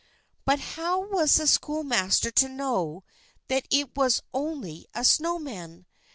But how was the schoolmaster to know that it was only a snow man?